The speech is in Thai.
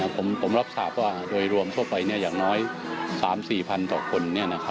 ผมรับทราบว่าโดยรวมทั่วไปอย่างน้อย๓๔๐๐ต่อคน